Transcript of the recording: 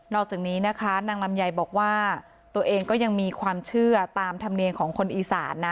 อกจากนี้นะคะนางลำไยบอกว่าตัวเองก็ยังมีความเชื่อตามธรรมเนียมของคนอีสานนะ